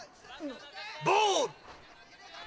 ボール！